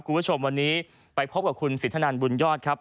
คุณผู้ชมวันนี้ไปพบกับคุณสินทนันบุญยอดครับ